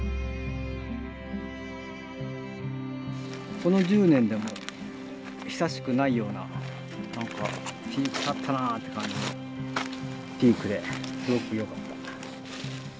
この１０年でも久しくないような「ピーク立ったな」という感じのピークですごくよかった。